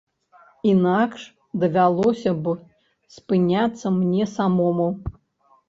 Інакш давялося б спыняцца мне самому.